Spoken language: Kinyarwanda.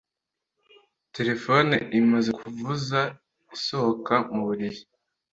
Terefone imaze kuvuza asohoka mu buriri